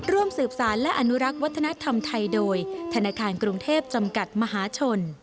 ร่วมสืบสารและอนุรักษ์วัฒนธรรมไทยโดยธนาคารกรุงเทพจำกัดมหาชน